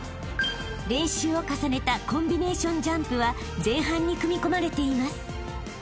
［練習を重ねたコンビネーションジャンプは前半に組み込まれています］